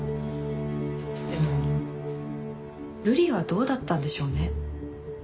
でもルリはどうだったんでしょうね。